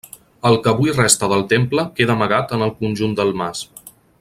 El que avui resta del temple queda amagat en el conjunt del mas.